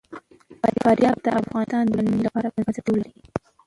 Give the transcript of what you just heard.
فاریاب د افغانستان د ټولنې لپاره بنسټيز رول لري.